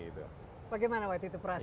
bagaimana waktu itu perasaan